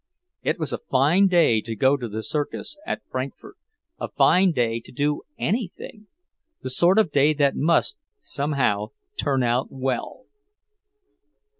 It was a fine day to go to the circus at Frankfort, a fine day to do anything; the sort of day that must, somehow, turn out well.